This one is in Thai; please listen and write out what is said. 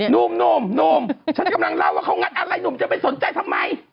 หนุ่มฉันกำลังเล่าว่าเขางัดอะไรหนุ่มจะไปสนใจทำไม